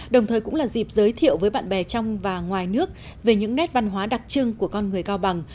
đồng thời cũng là dịp giới thiệu với bạn bè trong và ngoài nước về những nét văn hóa đặc trưng của con người cao bằng